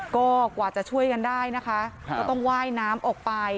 ก็กว่าจะช่วยกันได้นะคะก็ต้องว่ายน้ำออกไป